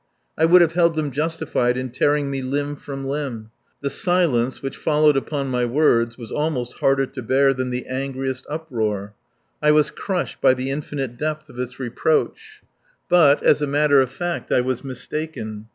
I would have held them justified in tearing me limb from limb. The silence which followed upon my words was almost harder to bear than the angriest uproar. I was crushed by the infinite depth of its reproach. But, as a matter of fact, I was mistaken.